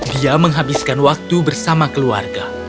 dia menghabiskan waktu bersama keluarga